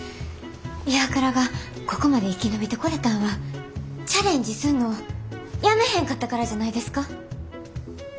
ＩＷＡＫＵＲＡがここまで生き延びてこれたんはチャレンジすんのをやめへんかったからじゃないですか？